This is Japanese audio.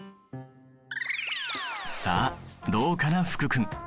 さあどうかな福君。